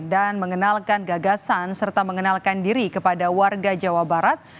dan mengenalkan gagasan serta mengenalkan diri kepada warga jawa barat